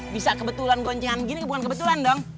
bisa kebetulan goncengan gini bukan kebetulan dong